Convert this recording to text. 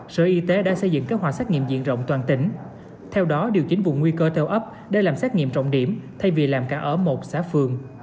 sở y tế đã xây dựng kế hoạch xét nghiệm diện rộng toàn tỉnh theo đó điều chỉnh vùng nguy cơ theo ấp để làm xét nghiệm trọng điểm thay vì làm cả ở một xã phường